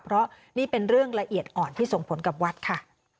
เพราะนี่เป็นเรื่องละเอียดอ่อนที่ส่งผลกับวัดค่ะ